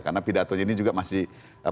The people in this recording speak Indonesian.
karena pidato ini juga masih